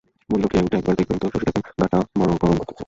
বলিল, খেয়ে উঠে একবার দেখবেন তো শশীদাদা, গাটা বড় গরম বোধ হচ্ছে।